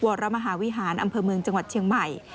วรมหาวิหารอำเภอเมืองจังหวัดเชียงใหม่